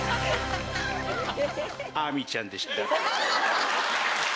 亜美ちゃんでした。